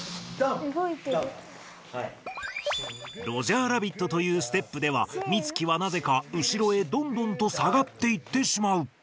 ロジャーラビットというステップではミツキはなぜかうしろへどんどんと下がっていってしまう。